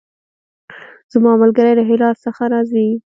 زما ملګری له هرات څخه راځی